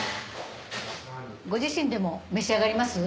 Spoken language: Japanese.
ご自身でも召し上がります？